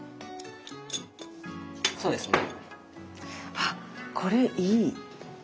あこれいい。